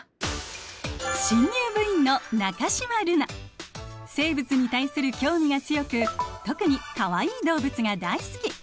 新入部員の生物に対する興味が強く特にかわいい動物が大好き。